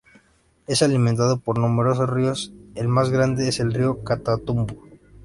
Es alimentado por numerosos ríos, el más grande es el río Catatumbo.